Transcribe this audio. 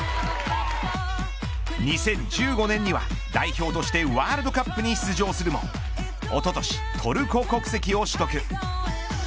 ２０１５年には、代表としてワールドカップに出場するもおととし、トルコ国籍を取得。